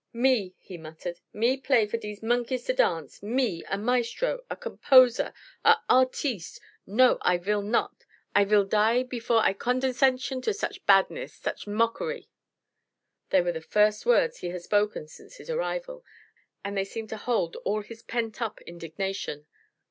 "Me!" he muttered; "me play for dese monkeys to dance me! a maestro a composer a artiste! No; I vill nod! I vill die before I condescention to such badness, such mockery!" They were the first words he had spoken since his arrival, and they seemed to hold all his pentup indignation.